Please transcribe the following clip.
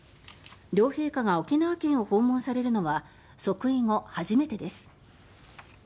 両陛下が沖縄県を訪問されるのは即位後初めてです。